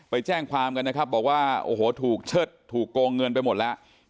ไปแจ้งความกันนะครับบอกว่าโอ้โหถูกเชิดถูกโกงเงินไปหมดแล้ว